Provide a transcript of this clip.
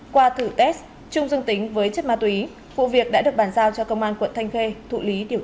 qua thử test trung dương tính với chất ma túy vụ việc đã được bàn giao cho công an quận thanh khê thụ lý điều